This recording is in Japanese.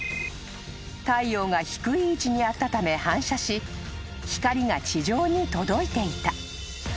［太陽が低い位置にあったため反射し光が地上に届いていた］